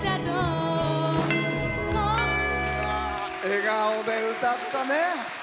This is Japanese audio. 笑顔で歌ったね。